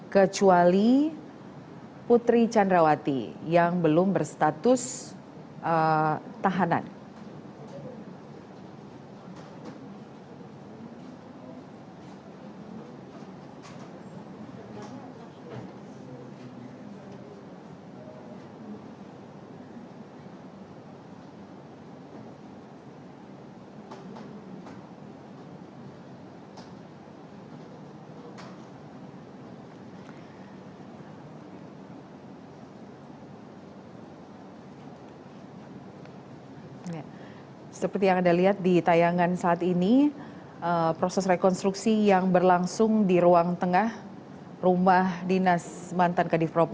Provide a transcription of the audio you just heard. kecuali putri candrawati yang belum berstatus tahanan